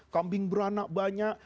kambing beranak banyak